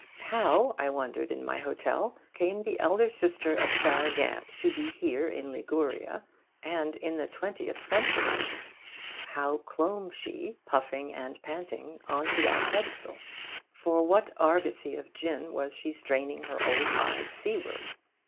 How, I wondered in my hotel, came the elder sister of Sarah Gamp to be here in Liguria and in the twentieth century? How clomb she, puffing and panting, on to that pedestal? For what argosy of gin was she straining her old eyes seaward?